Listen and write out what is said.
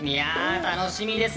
楽しみです。